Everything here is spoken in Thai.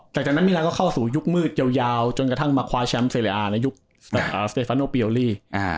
จากนั้นมิลาก็เข้าสู่ยุคมืดยาวจนกระทั่งมาคว้าแชมป์เซเลอาในยุคสเตฟาโนเปียโอลี่